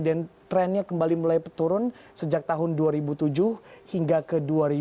dan trennya kembali mulai turun sejak tahun dua ribu tujuh hingga ke dua ribu delapan belas